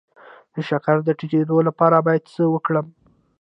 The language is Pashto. د شکر د ټیټیدو لپاره باید څه وکړم؟